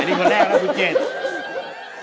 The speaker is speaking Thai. อันนี้คนแรกแล้วคุณเจส